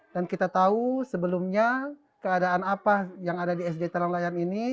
dan kita tahu sebelumnya keadaan apa yang ada di sd telang layam ini